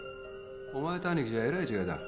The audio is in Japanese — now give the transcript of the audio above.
お前とアニキじゃえらい違いだ。